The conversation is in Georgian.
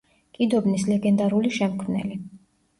კიდობნის ლეგენდარული შემქმნელი.